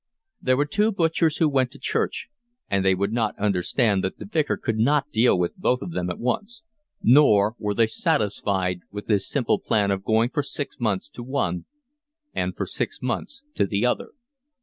There were two butchers who went to church, and they would not understand that the Vicar could not deal with both of them at once; nor were they satisfied with his simple plan of going for six months to one and for six months to the other.